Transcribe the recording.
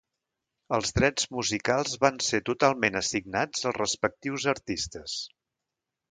Els drets musicals van ser totalment assignats als respectius artistes.